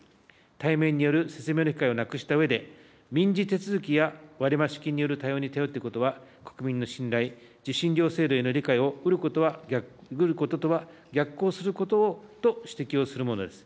対面による説明の機会をなくしたうえで、民事手続きや割増金による対応に頼ることは、国民の信頼、受信料制度への理解を得ることとは逆行することと指摘をするものです。